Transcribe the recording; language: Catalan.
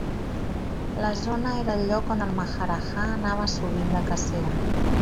La zona era el lloc on el maharajà anava sovint de cacera.